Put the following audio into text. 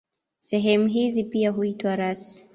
Sehemu hizi pia huitwa rasi.